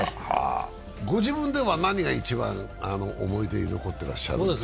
ご自分では何が一番思い出に残ってらっしゃるんですか？